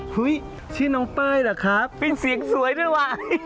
เห้ยชื่อน้องเปล่ะคะเป็นเสียงสวยต้นวะ